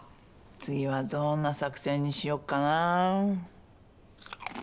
次はどんな作戦にしよっかな。